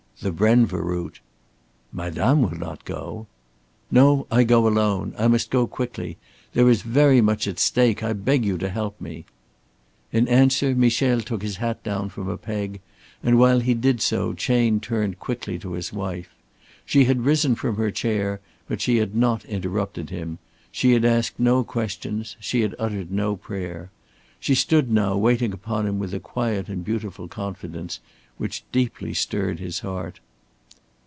"The Brenva route." "Madame will not go!" "No, I go alone. I must go quickly. There is very much at stake. I beg you to help me." In answer Michel took his hat down from a peg, and while he did so Chayne turned quickly to his wife. She had risen from her chair, but she had not interrupted him, she had asked no questions, she had uttered no prayer. She stood now, waiting upon him with a quiet and beautiful confidence which deeply stirred his heart.